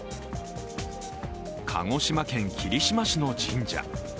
鹿児島県霧島市の神社。